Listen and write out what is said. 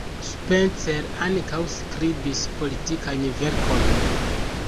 Spencer ankaŭ skribis politikajn verkojn.